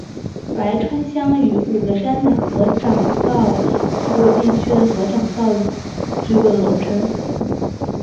白川乡与五个山的合掌造聚落地区的合掌造聚落的总称。